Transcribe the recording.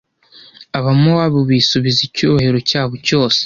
abamowabu bisubiza icyubahiro cyabo cyose